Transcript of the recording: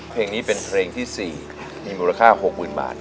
เพลงนี้เป็นเพลงที่สี่มีมูลค่าหกหมื่นบาท